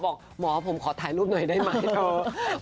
บอกหมอผมขอถ่ายรูปหน่อยได้ไหมเถอะ